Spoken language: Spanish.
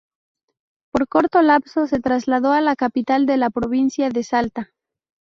Por corto lapso se trasladó a la capital de la provincia de Salta.